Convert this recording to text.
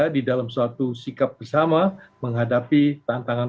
di dalam suatu sikap bersama menghadapi tantangan